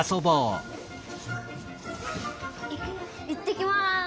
いってきます。